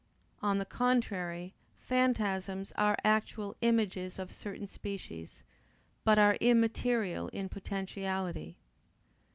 On the contrary, phantasms are actual images of certain species, but are immaterial in potentiality.